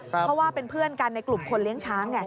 เพราะว่าเป็นเพื่อนกันในกลุ่มคนเลี้ยงช้างไง